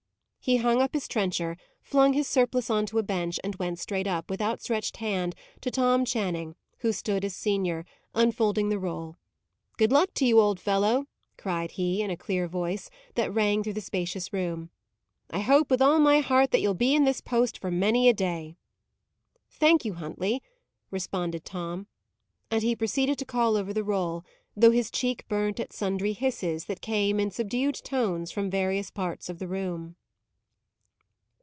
He hung up his trencher, flung his surplice on to a bench, and went straight up, with outstretched hand, to Tom Channing, who stood as senior, unfolding the roll. "Good luck to you, old fellow!" cried he, in a clear voice, that rang through the spacious room. "I hope, with all my heart, that you'll be in this post for many a day." "Thank you, Huntley," responded Tom. And he proceeded to call over the roll, though his cheek burnt at sundry hisses that came, in subdued tones, from various parts of the room.